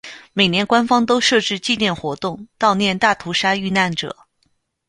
每年官方都设置纪念活动悼念大屠杀遇难者。